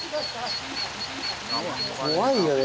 怖いよね